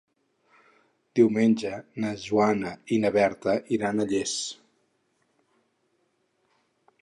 Diumenge na Joana i na Berta iran a Llers.